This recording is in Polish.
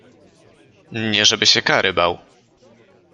Nie, żeby się kary bał.